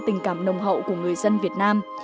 tình cảm nồng hậu của người dân việt nam